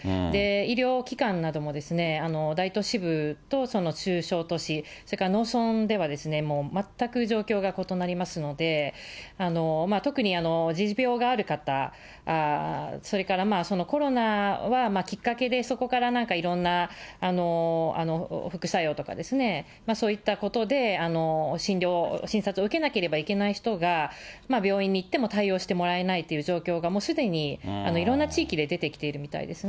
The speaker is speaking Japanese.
医療機関なども大都市部と中小都市、それから農村では全く状況が異なりますので、特に持病がある方、それからコロナはきっかけで、そこからなんかいろんな副作用とかですね、そういったことで診療、診察を受けなければいけない人が、病院に行っても対応してもらえないっていう状況がもうすでにいろんな地域で出てきているみたいですね。